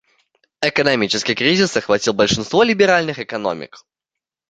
Экономический кризис охватил большинство либеральных экономик.